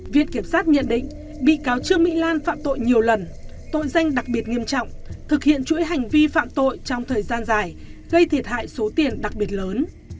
viện kiểm sát nhận định bị cáo trương mỹ lan phạm tội nhiều lần tội danh đặc biệt nghiêm trọng thực hiện chuỗi hành vi phạm tội trong thời gian dài gây thiệt hại số tiền đặc biệt lớn